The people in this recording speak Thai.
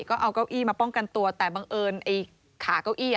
ก็เอาเก้าอี้มาป้องกันตัวแต่บังเอิญไอ้ขาเก้าอี้